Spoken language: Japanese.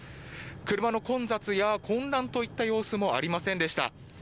車の混雑や混乱といった様子もありませんでした。